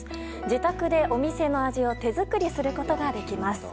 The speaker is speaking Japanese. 自宅で、お店の味を手作りすることができます。